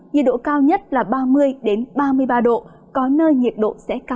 nhiệt độ cao nhất là ba mươi ba mươi ba độ có nơi nhiệt độ xa